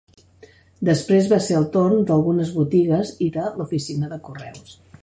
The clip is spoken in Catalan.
Després va ser el torn d'algunes botigues i de l'oficina de correus.